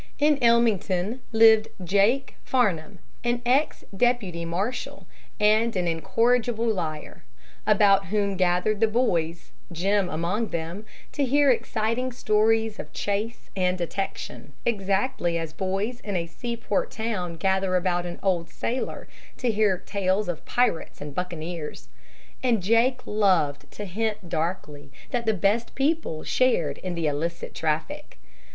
In Ellmington lived Jake Farnum, an ex deputy marshal and an incorrigible liar, about whom gathered the boys, Jim among them, to hear exciting stories of chase and detection, exactly as boys in a seaport town gather about an old sailor to hear tales of pirates and buccaneers. And Jake loved to hint darkly that the best people shared in the illicit traffic.